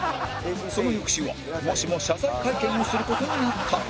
その翌週はもしも謝罪会見をする事になったら